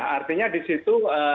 artinya di situ